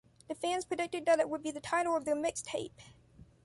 The fans predicted that it would be the title of their “mixtape”.